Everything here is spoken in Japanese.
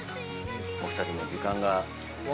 お二人も時間が。